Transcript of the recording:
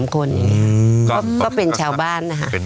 ก็เป็นชาวบ้านนะครับ